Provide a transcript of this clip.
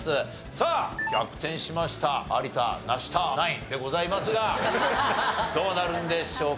さあ逆転しました有田無太ナインでございますがどうなるんでしょうか？